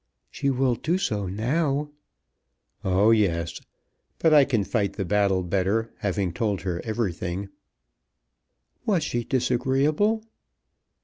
"She will do so now." "Oh, yes; but I can fight the battle better, having told her everything." "Was she disagreeable?"